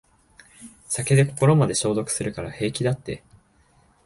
酒で心まで消毒するから平気だって